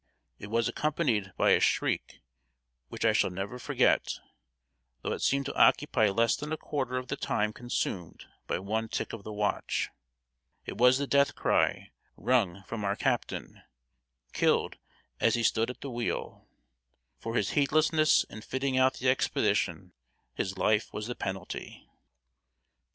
It was accompanied by a shriek which I shall never forget, though it seemed to occupy less than a quarter of the time consumed by one tick of the watch. It was the death cry wrung from our captain, killed as he stood at the wheel. For his heedlessness in fitting out the expedition, his life was the penalty.